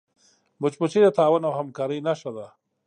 مچمچۍ د تعاون او همکاری نښه ده